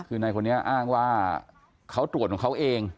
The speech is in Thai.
คือในคนนี้อ้างว่าเขาตรวจของเขาเอง